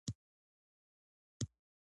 په ورځ کې اته ګیلاسه اوبه پکار دي